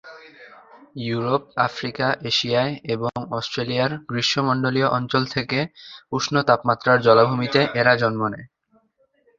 Europe, Africa, এশিয়ায় এবং অস্ট্রেলিয়ার গ্রীষ্মমন্ডলীয় অঞ্চল থেকে উষ্ণ তাপমাত্রার জলাভূমিতে এরা জন্ম নেয়।